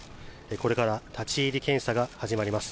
これから立ち入り検査が始まります。